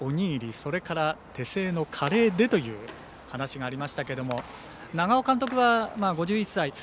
それから、手製のカレーでという話がありましたけれども長尾監督は５１歳。